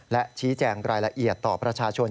และชี้แจงรายละเอียดต่อประชาชน